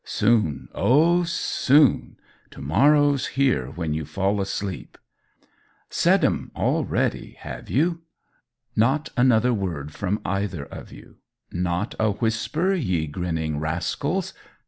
Soon oh, soon! To morrow's here when you fall asleep. Said 'em already, have you? Not another word from either of you. Not a whisper, ye grinning rascals!